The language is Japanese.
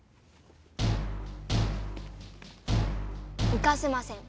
行かせません。